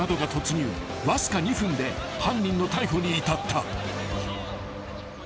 ［わずか２分で犯人の逮捕に至った］